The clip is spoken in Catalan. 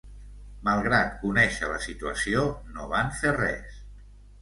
Malgrat conèixer la situació no van fer res.